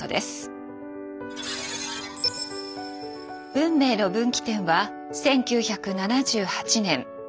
運命の分岐点は１９７８年６月１４日。